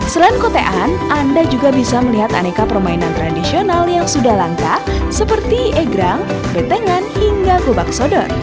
selain kotean anda juga bisa melihat aneka permainan tradisional yang sudah langka seperti egrang bentengan hingga gobak sodor